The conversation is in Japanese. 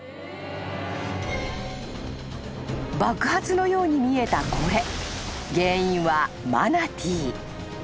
［爆発のように見えたこれ原因はマナティー］